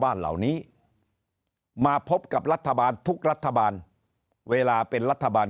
บ้านหลังนี้มาพบกับรัฐบาลทุกรัฐบาลเวลาเป็นรัฐบาล